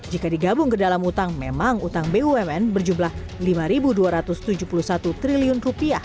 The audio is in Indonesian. jika digabung ke dalam utang memang utang bumn berjumlah rp lima dua ratus tujuh puluh satu triliun